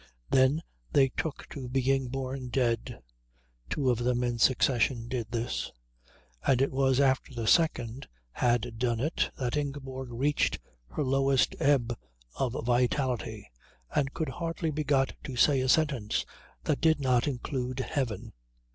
Then they took to being born dead; two of them in succession did this; and it was after the second had done it that Ingeborg reached her lowest ebb of vitality and could hardly be got to say a sentence that did not include heaven.